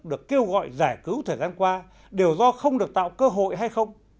được kêu gọi giải cứu thời gian qua đều do không được tạo cơ hội hay không